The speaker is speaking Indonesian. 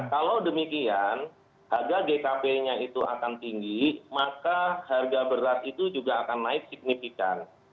kalau demikian harga gkp nya itu akan tinggi maka harga beras itu juga akan naik signifikan